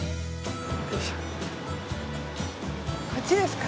こっちですか？